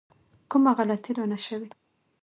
کومه غلطي رانه شوې.